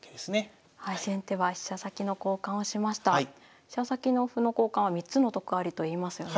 飛車先の歩の交換は３つの得ありといいますよね。